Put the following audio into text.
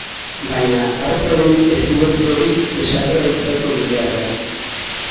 Baina, artearen ez-ulertze hori desakralizatu egin behar da.